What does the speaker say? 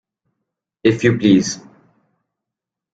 If you please.